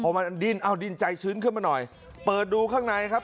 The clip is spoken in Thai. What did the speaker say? มันดิ้นเอาดินใจชื้นขึ้นมาหน่อยเปิดดูข้างในครับ